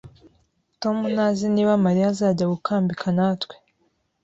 Tom ntazi niba Mariya azajya gukambika natwe